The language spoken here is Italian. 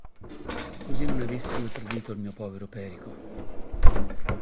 Così non avessi io tradito il mio povero Perico!